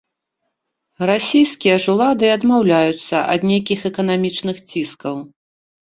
Расійскія ж улады адмаўляюцца ад нейкіх эканамічных ціскаў.